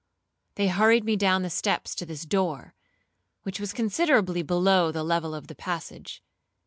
They hurried me down the steps to this door, which was considerably below the level of the passage.